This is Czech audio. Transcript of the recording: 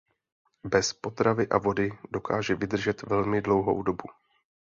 Bez potravy a vody dokáže vydržet velmi dlouhou dobu.